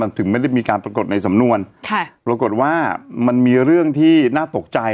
ถึงไม่ได้มีการปรากฏในสำนวนค่ะปรากฏว่ามันมีเรื่องที่น่าตกใจ